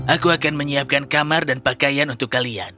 aku akan menyiapkan kamar dan pakaian untuk kalian